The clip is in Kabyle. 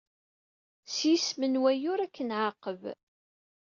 S yisem n wayyur, ad k-nɛaqeb!